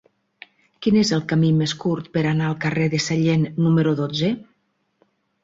Quin és el camí més curt per anar al carrer de Sallent número dotze?